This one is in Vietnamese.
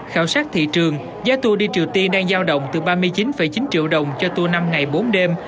khảo sát thị trường giá tour đi triều tiên đang giao động từ ba mươi chín chín triệu đồng cho tour năm ngày bốn đêm